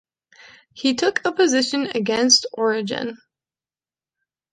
He took a position against Origen.